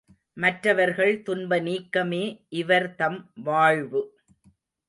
மற்றவர்கள் துன்ப நீக்கமே இவர் தம் வாழ்வு.